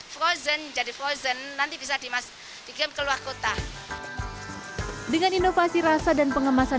frozen jadi frozen nanti bisa dimas diklaim ke luar kota dengan inovasi rasa dan pengemasan